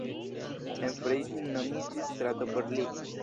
En Freising nomitis strato por li.